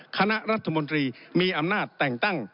คณะรัฐมนตรีมีอำนาจแต่งตั้ง